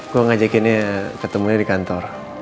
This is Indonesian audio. gue ngajakinnya ketemunya di kantor